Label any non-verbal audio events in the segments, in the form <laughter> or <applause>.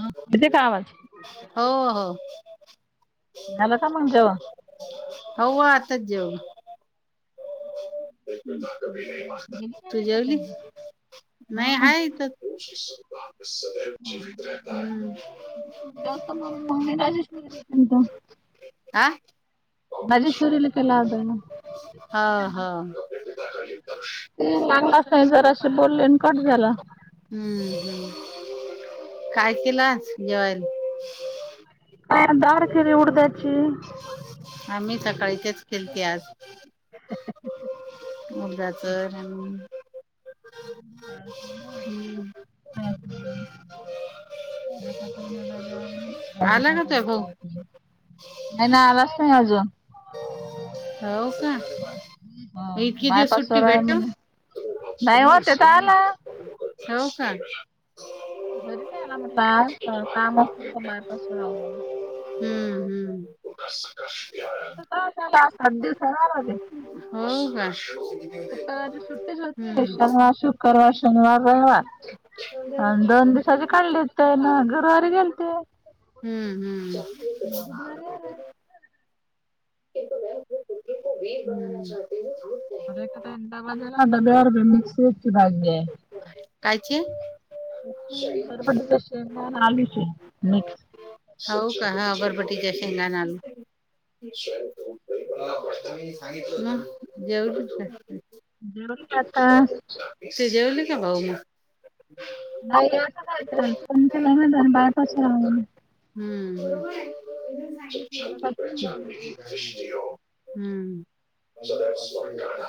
ह अे कावल. हो हो. मला का म्हणजेव हो आताच जेव. तू जेवली नाही आहेा हो. तर उशी संताान सदैव. आ म राजेश मि <unintelligible> हा. बजेश्वरर्लकला आग ब. चांगच नाही जरा असे बोलले कट झाला. हम्म हम्म. काय केलास जयल. का दारखडी उडदची आम्ही सकाळीचेच खेळते आज <unintelligible> मुलगाच आणि हम्. अ. आला का तुझा भाऊ नाही ना आलाच नाही अजून हो का? म इतकी दिवस सुट्टी बायपासवर आहे भेट. म्हणे नाही हो ते तर आला होव का? घरी नाही आला म्हटलं आ काम असत बाहेरपास राह. हम्म तर हम्म. तवाच आला सात दिवसानं आला हो ह शुक्रवार सुुटीच होते शनिवार शुक्रवार शनिवार रविवार अंदोंद दिवसजे कडली इेतय ना गुरवारी गेलतीय. हम्म हम्म. किु म पुुट को वी बना चती ह. अर क ड डब्यार ब मिक्स इची भाे. कायची. बर म्हज आलूचे मिक्स. हो का हा अबरबटीच्या शेंगाणा आलू जवच जरूर आता सि जेवली का बाऊ मग ह. बायपास हम्मच्छ स स्वाग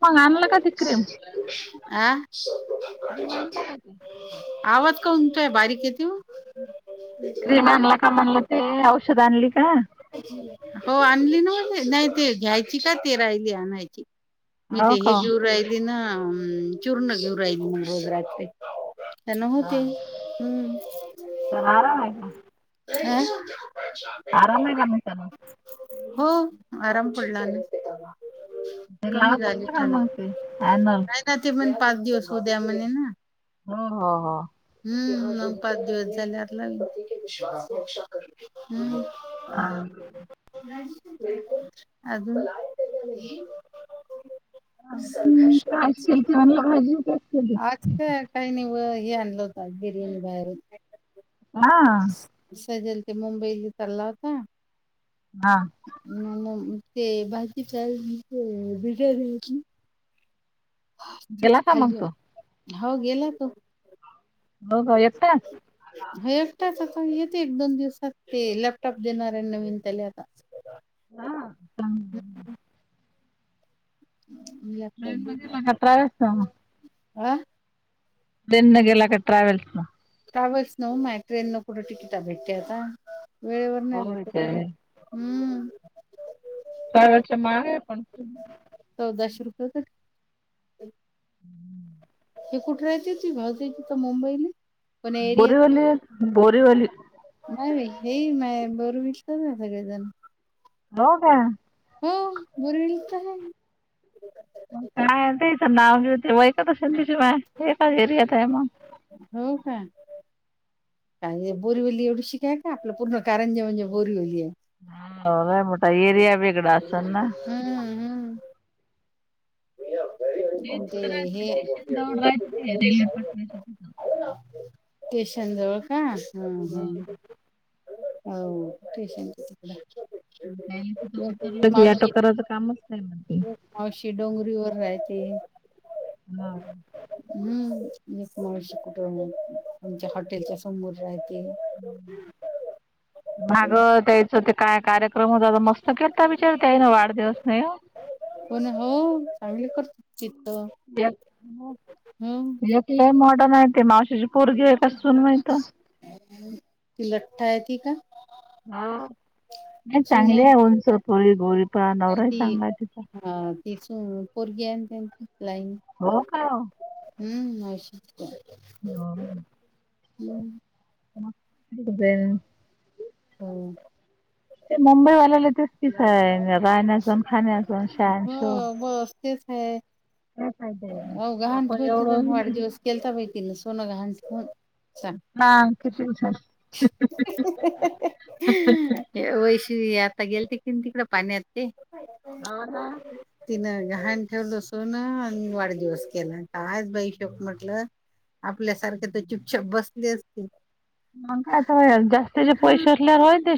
प सर्प्रथम काटे जते ह आवाज कानतय बारीक येत क्रीम आणला का म्हलं ते औषध आणली का हो आणली नाते नाही ते घ्यायची का ते राहिली आणायची मी हो ते हे का घेऊ राहिली ना चूर्ण घेऊ राहिली म गोजरात ते ते न हा होोती ह तर आराम आहे का ते आराम आहे बम सार हो आराम पडला न ते लावतचत का मगते अॅनल नाही ना ते पण पाच दिवस हो द्या म्हणे ना ह ह हो हम्म नऊ पाच दिवस झाल्या लाग हम्म अून भाष ान हजी का आ काय नव ये अनलोत बिर्याणी बार हा सजल ते मुंबईला चालला होता हा मग ते भाजी बिघ गेला तेच का मग खाली तो हो गेला तो हो हो येता हे एकटाच आता येथील एक दोन दिवसात ते लॅपटॉप देणार आहे नवीन तले आता हा... लॅपटॉप दे का ट्रॅव्हल्स हा... ट्रेन न गेला का ट्रॅव्हल्स न ट्रॅव्हल्सन माय ट्रेन न कुठे तिकिट भेटते आता वेळेवर नाही भेटत मग हम्म... ट्रॅव्हल्स चालायचं मागं आहे आपण पण.. चौदाशे रुपये पण हे कुठल येतेती भावताय तिथ मुंबईले बोरीवलीत बोरीवली नाही हे माय बरू विचत ना सगळेजण हो का... हो बोरीवलीत आहे मग काय तेच नाव नावभुयु ठेवायचं कशान दिवशी मग एकच एरियात आहे मग हो का काय बोरीवली एवढी शिकाय का आपलं पूर्ण कारजावणी म्हणजे होरीवली आहे हाय मोठा एरिया बेगड असेल ना हम्मम हम्म येव ये तिथ राहते स्टेशन जवळ राहते ते रेल्वे पत्र्याच्या तिथं स्टेशन जवळ का ह ह.. होअ हो स्टेशनच्या तिकडं तिथ एक उतरलं की आता करायच कामच काय म्हणते अशी डोंगरी वर राहायते हा हम्म एक मावशी कुठ आमच्या हॉटेलच्या समोर राहते. मागं त्यायचं ते काय छोट कार्यक्रम होताय मस्त केलाता बिचारतेई ना वाढदिवस नाये कोण हो चांगली करते तिथ हो तिले मॉर्डन आहे मावशीची पोरगी आहे कसुन माहिते लठ्ठ आहे ती का हो नाहचांगली आहे उंचपोळी गोळीपान नवरा चांगला आहे तिचा ह तीच पोरगी आहे त्यांचीलाईन हो का हम्म अशत हम् हो <unintelligible> हो ते मुंबई वाल्याला तेस किस राहण्या असून खाण्या असून शान हो शो तेच आहे आहे मग? ओ गाहांन ठेवून वाढदिवस केलता बैई सोन गहांन ठेवून सा हा किती वैष्वी आता गेलते कने तिकड पाण्यात ते हा हा तिनं घाहान ठेवलं सोन अन वाढदिवस केला कायच भाई शोक म्हटलं. आपल्यासारख तर चुपचाप बसले असते. म काय तर जास्तचे पैसे असल्यावर होय ते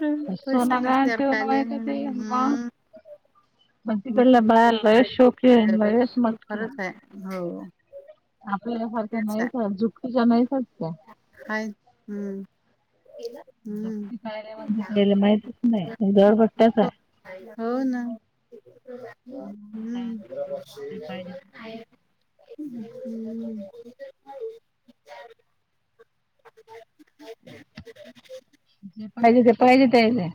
ना सोन पैसा गाहन नसल्यावर ठेवुन काले माहित ते मग हम्म बटी तला बाहेर लय शोक आहे लईच मटकी खरंच आहे हो. आपल्यालासारखा तेच आहे नाहीच झुकच्या नाहीसच त्या. हाय हम्म. हम्म म्हणजे त्याला माहितच नाही धडपट्ट्याच आहे. हो ना. हम्म. जे पाहिजे ते पाहिजे <inaudible> ऊहू. जे पाहिजे ते पाहिजे तेयले.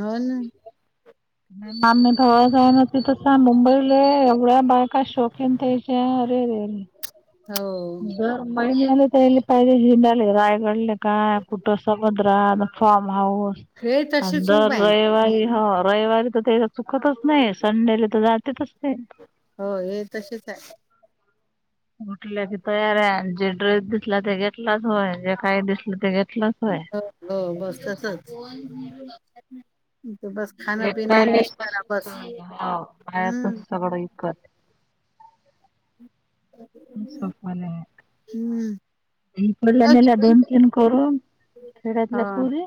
हो ना आम्ही भवा जाऊ नती तस मुंबईला एवढ्या बायका शोकीन त्याच्या अरे रेरे. हो दर माही मेलेत. पहिले पाहिले जिम्याल रायगडले काय कुठ समुद्रा फार्म हाऊस. हे तशीच अंदर उभ <unintelligible> आहे रविवार तर ते चुकतच नाही संडेले तर जातेतच ते. हो हे तशेच आहे. उठल्या की तयार आहे जे ड्रेस दिसला ते घेतलाच होय जे काही दिसलं ते घेतलंच होय. हो बस तसच त बस. <unintelligible> खाणं पिणं ऐश करा बस हो हम्म खायाचाच सगळं विकत. हम्म. इकडल्या बस. नेल्यात दोन तीन करून. खेड्यातल्या हा पोरी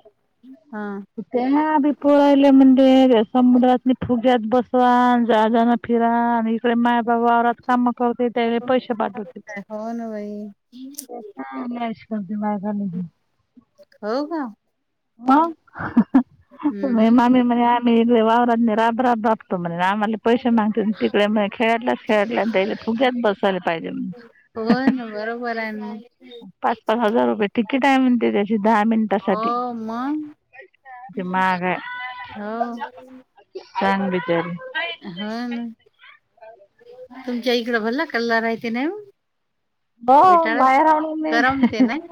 हा कुठे ह्या बित. पोरायला म्हणले रे समुद्रातली फुग्यात बसवा जा जाण फिरा आणि आपले मायाबाबा वावरात काम करते त्याले पैसे पाठवतील. काय हो ना भाई. हा मॅश कोणती मायगा नही. हो का? म अहं म हम्म माय मेम्ब्रेन. मी इथल्या वावरातन राब राब राबतो म्हणलं आम्हाला पैशे नाय. तिकडे म खेळाडलाच खेळाडल्या फुग्यात बसायला पाहिजेल हो अहं. ना बरोबर आहे ना. पाच पाच हजार रुपये टिकेट आहे म्हणते त्याची दहा मिनटासाठी. म हो. छान बिचारी. हा ना. तुमच्या इकडं व्हल्ला कल्ला राह ते नाही म. हो बाहेर आलो मी ह करमते ह. नाही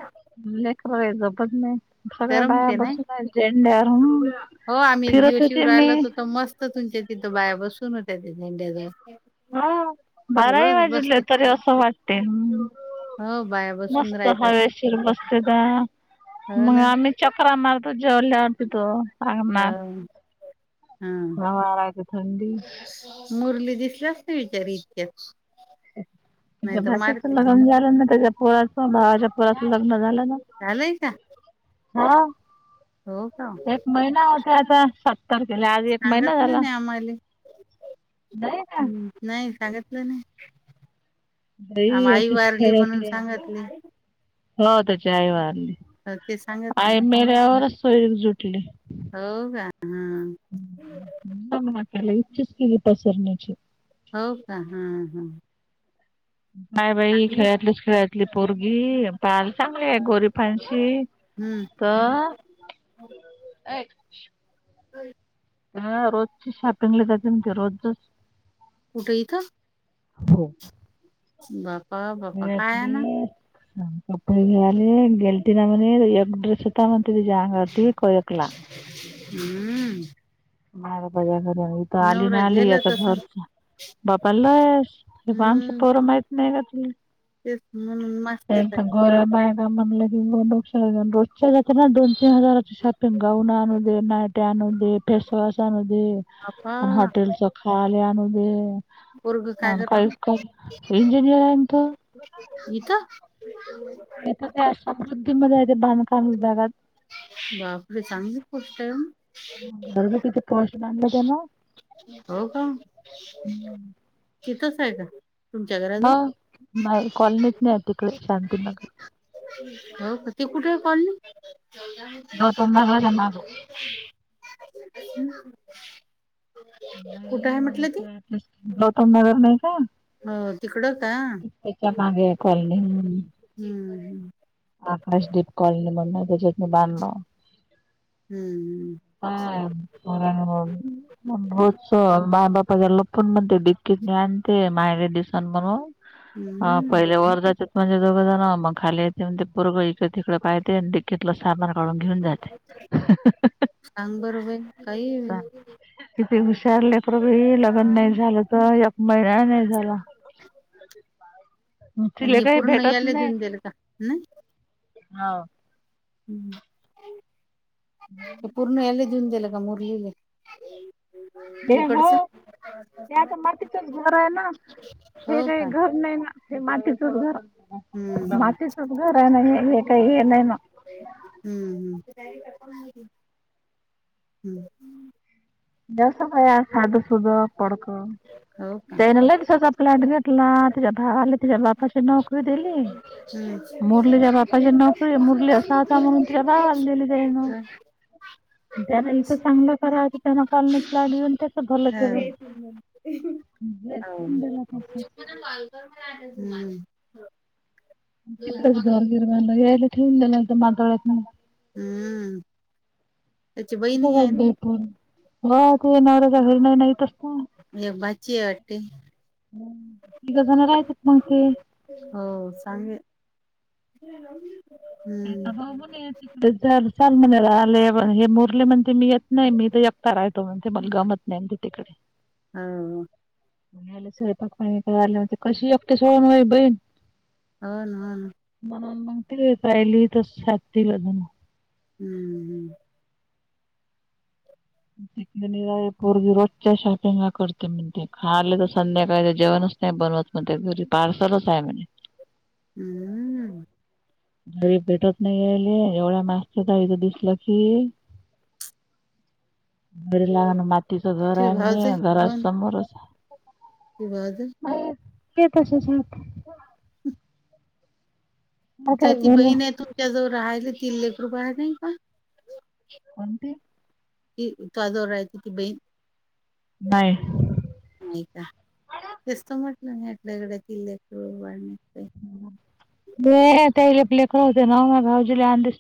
लेकरं बाळ झोपत नाही सगळ्या बाया करमते नाही बसून आहे झेंड्यावर हुं. हो आम्ही जीव शिवरायालाच होतो. मस्त तुमच्या तिथं बाया बसून होत्या त्या झेंड्याजव. ह बारही वाजीतले तरी असं वाटतय. हो बाया बसून मस्त राहतात हवेशीर मस्त गार हो मग ना आम्ही. चकरा मारतो जेवल्यावर पितो. हम्म. हा मुरली दिसल्यास नाही दारी इतक्यात. त्याच्या नाही तर भाच्याच मारते लगन तिला झालं ना त्याच्या पोराचं भावाच्या पोराचं लग्न झालं नाही. लई ता. हा. का एक महिना होतोय आता सत्तर केले आज एक महिना सांगितलं झाला. नाही आम्हाले नाहीय ना. नाही सांगितलं नाही आ बाई आई अशीच वारली म्हणून खेड्यातली सांगतली. हो त्याची आई वारली. हो, ते सांगितलं आई मेल्यावरच सोयर सुटली. हो का हा. त्याला इच्छीचं केली पसरण्याची. हो का हा हा. नाही बाई खेळतलीच खेळतली पोरगी पाल चांगली आहे गोरी पशी हम्म तर ह ह रोजची शॉपिंग लि का तेमती रोजजो कुठे इथं बाका वळत कप घे आले गेल तना मणे एकगड्रे होता म्हणते ज त कोयकला हम्म मझ्या घरी इथ आली नवरा ना आली झेलत याच्या असं घरच बाबाला आहेस हेव आमच हम्म पोरं माहत नाही का तुला तेच म्हणून मास्तेच आहे गर का म्हणलाेो रोजच्या जात ना दोन तीन हजाराची शॉपिंग गाऊन आणू दे ना ते फेसवास न बापा आणि हॉटेलच खाल्या न पोरग हो करत काय का इंजिनियर आहे तो यथ इथ ते समृद्धीमध्येध्ये बांधकाम होतगात बापर संांग घर कत किती पोस्ट बांधलं त्यानं हो का तिथंच आहे का तुमच्या ह घराजवळ नाही कॉलनीच नाही आहे तिकडे शांतीनगर हो का ते कुठे कॉणली च ग तुम ग जनगो कुठे आहे नाही म्हटलं ती म्हट गौतम नगर नाही का हो तिकडं का हम् त्याच्या मागे आकाशदीप कॉलनी बन त्याच्यात मी बांधलो हम्म हम् भोजस मा बाप ल पण म्हणते डकीत आण ते मायरेडडी सन म्हणून ह हम्म पहिले वरधाचे म्हणजे दोघ जण मग खाली ते ते पुरं इकडे तिकडे पाहतेटलं सामन काळून घेऊन जाते सांग बरं बाई काही बाई. किती हुशारले प्रभ लग्न नाही झालं तर एक महिना नाही झाला आणि तिले हे काही पूर्ण भेटत याला नाही देऊन दिलं का नाही हा ते पूर्ण याला देऊन दिलं का मुरलीले ते हो इकडचं ते आता मातत घर आहे ना हो हे काही का हम्म घर नाही ना ते माती चूचगार माती चचगार आहे ना काही हे नाही ना हम्म हम्म हम्म जावसाम साद सुद पडक हो का ते दिसज प्लॅट घेटला तिच्या भाला तिच्या्या बापाशी नोकरी दिली हम्म मुरलीच्या बापाची नोकरी मुरली असा आता म्हणून तिच्या बावाला दिली जाई ना जला इथं चांगलं करा हों कॉल प लाडू ते तर भल क्षीर हा म लालग गरगिरवा हेल्ले मााडयत न हम्म असं करत पण हो त नवराच्या घरण नाहीतसत हे बची वाट तघ जण लायतात मग ते हो सांगे हम्म म्ह त च चाल म्हणा आले हे मुरले म्हणते मी येत नाही मी तर एकगता राहतो म्हण ते मला गमत नाही तिकडे हा म्ह सवयपा कशी एकटे सोडून वई बहीण होन हो ना मणून मगते पाहिली तरस छात अजून हम्म हम्म तरा पूर्वी रोजच्या शॉपिंगला करते म्हण ते खाले तर संध्याकाळी जेवण नाही बनवत म्हण घरी पार्सलच आहे म्हज हम्म घरी भेटत नाही यायले एवढ्या मास्त्या जाईच दिसलं की घरी लागण मातीचं घर तुझे आहे भाऊज म्हज घरा समोरच विवाद अ ते तशचात तर ती झालं बहीण आहे तुमच्या जवळ राहायली ती लेकरू बाहे नाही का कोणते कि त आजवर राय त की बहीण नाहीय नाही का तेस्त म्हटलं नाही आपल्याकड किल्ल्याक वाक त्या प लेकर होते नाव म गाजीला आण दिस